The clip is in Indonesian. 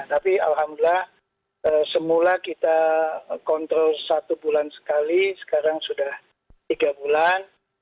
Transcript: tapi alhamdulillah semula kita kontrol satu bulan sekali sekarang sudah tiga bulan